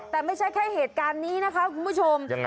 แต่ไม่ใช่แค่เหตุการณ์นี้นะคะคุณผู้ชม